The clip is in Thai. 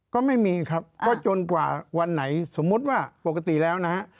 ก็ไม่มีครับก็จนกว่าวันไหนสมมุติว่าปกติแล้วนะฮะ